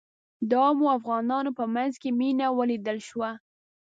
د عامو افغانانو په منځ کې مينه ولیدل شوه.